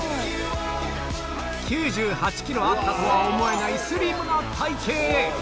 ９８ｋｇあったとは思えないスリムな体形！